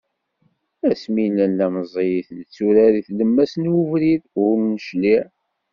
Asmi nella meẓẓiyit netturar di tlemmast n ubrid, ur necliε.